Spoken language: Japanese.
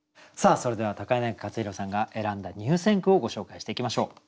それでは柳克弘さんが選んだ入選句をご紹介していきましょう。